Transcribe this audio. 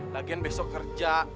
lagian besok kerja